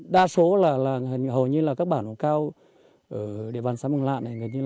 đa số là hầu như các bản hồn cao ở địa bàn xã mông lạng